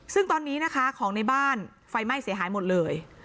ซึ่งตอนนี้นะคะของในบ้านไฟไหม้เสียหายหมดเลย